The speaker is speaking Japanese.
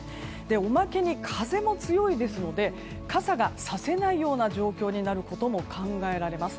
おまけに風も強いですので傘がさせないような状況になることも考えられます。